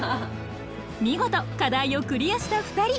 見事課題をクリアした２人。